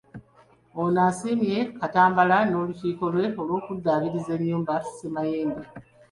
Ono asiimye Katambala n'olukiiko lwe olw'okuddaabiriza ennyumba Ssemayembe.